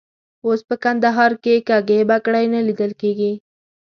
اوس په کندهار کې کږې بګړۍ نه لیدل کېږي.